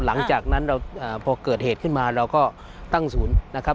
หลังจากนั้นเราพอเกิดเหตุขึ้นมาเราก็ตั้งศูนย์นะครับ